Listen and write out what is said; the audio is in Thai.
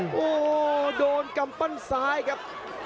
โอ้โหโหโหโหโหโดนกัมปั้นสายครับ